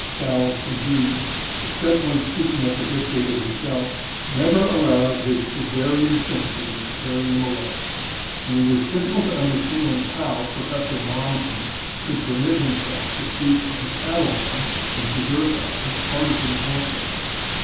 Sallust, indeed, except when speaking of the dictator himself, never allowed his Caesarian sympathies to carry him away, and it is difficult to understand how Professor Mommsen could permit himself to speak of the " Catiline " and " Jugurtha " as partisan pamphlets.